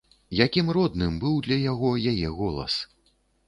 Якім родным быў для яго яе голас!